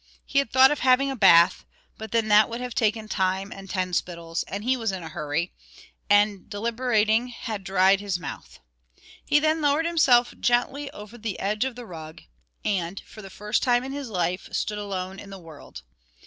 He had thought of having a bath; but then that would have taken time and ten spittles, and he was in a hurry, and deliberating had dried his mouth. He then lowered himself gently over the edge of the rug, and, for the first time in his life, stood alone in the world.